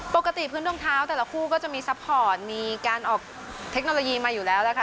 ปกติพื้นรองเท้าแต่ละคู่ก็จะมีซัพพอร์ตมีการออกเทคโนโลยีมาอยู่แล้วนะคะ